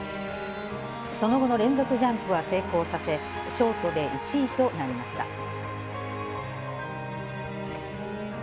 その後の連続ジャンプは成功させ、ショートで１位となりました。